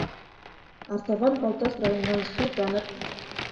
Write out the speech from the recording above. Артабан Балтас районынан - су-танып;